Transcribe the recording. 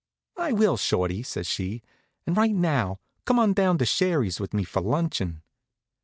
"I will, Shorty," says she, "and right now. Come on down to Sherry's with me for luncheon."